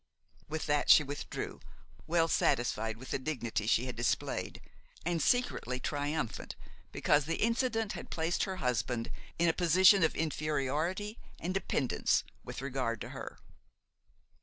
With that she withdrew, well satisfied with the dignity she had displayed, and secretly triumphant because the incident had placed her husband in a postion of inferiority and dependence with regard to her.